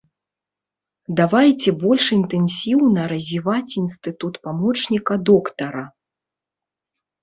Давайце больш інтэнсіўна развіваць інстытут памочніка доктара.